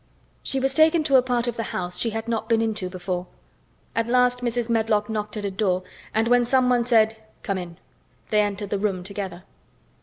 She was taken to a part of the house she had not been into before. At last Mrs. Medlock knocked at a door, and when someone said, "Come in," they entered the room together.